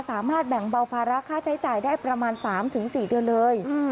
สามารถแบ่งเบาภาระค่าใช้จ่ายได้ประมาณ๓๔เดือนเลย